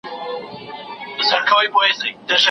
پر منبر باندي نڅېږه تویوه د تزویر اوښکي